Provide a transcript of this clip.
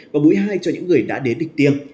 và mũi hai cho những người đã đến địch tiêng